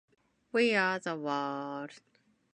We are the world